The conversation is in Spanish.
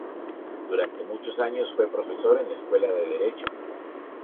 Durante muchos años fue profesor en la Escuela de Derecho.